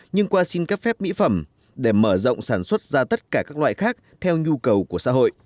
nhưng qua xin cấp phép mỹ phẩm để mở rộng sản xuất ra tất cả các loại khác theo nhu cầu của xã hội